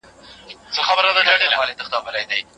ایا ته پوهېږې چې په لندن کې پښتانه یو بل ته ډېر نږدې دي؟